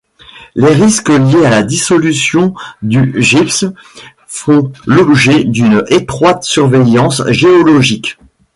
Les risques liés à la dissolution du gypse font l'objet d'une étroite surveillance géologique.